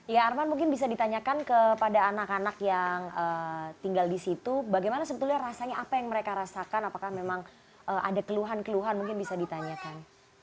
ya arman mungkin bisa ditanyakan kepada anak anak yang tinggal di situ bagaimana sebetulnya rasanya apa yang mereka rasakan apakah memang ada keluhan keluhan mungkin bisa ditanyakan